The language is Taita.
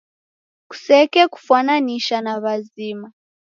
Kusekekufwananisha na w'azima.